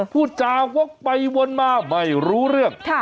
พูดจาวกไปวนมาไม่รู้เรื่อง